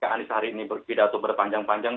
anies hari ini berpidato berpanjang panjang